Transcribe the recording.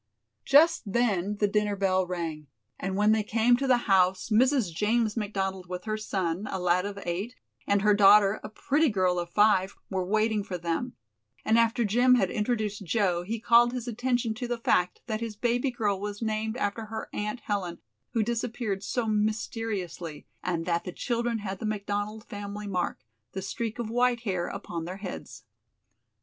Just then the dinner bell rang, and when they came to the house Mrs. James McDonald with her son, a lad of eight, and her daughter, a pretty girl of five, were waiting for them, and after Jim had introduced Joe he called his attention to the fact that his baby girl was named after her Aunt Helen who disappeared so mysteriously, and that the children had the McDonald family mark, the streak of white hair upon their heads.